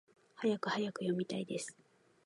はやくはやく！読みたいです！